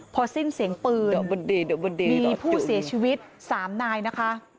พอสิ้นเสียงปืนมีผู้เสียชีวิต๓นายนะคะ